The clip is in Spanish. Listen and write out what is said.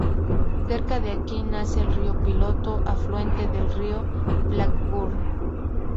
Cerca de aquí nace el río Piloto, afluente del río Blackburn.